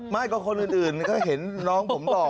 ไม่ก็คนอื่นก็เห็นน้องผมหล่อ